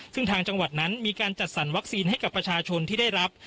ซึ่งทางจังหวัดนั้นมีการจัดสรรวัคซีนให้กับประชาชนที่ได้รับ